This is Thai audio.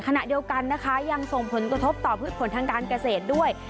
ขณะเดียวกันนะคะยังส่งผลกระทบต่อพืชผลทางการเกษตรด้วย